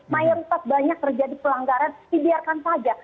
mayoritas banyak terjadi pelanggaran dibiarkan saja